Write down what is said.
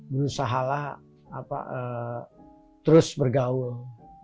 berusahalah terus bergaul